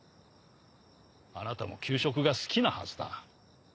あなたも給食が好きなはずだ。